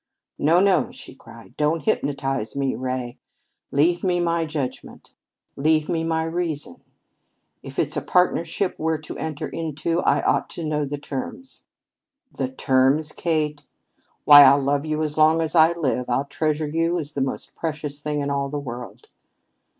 "No, no," she cried. "Don't hypnotize me, Ray! Leave me my judgment, leave me my reason. If it's a partnership we're to enter into, I ought to know the terms." "The terms, Kate? Why, I'll love you as long as I live; I'll treasure you as the most precious thing in all the world."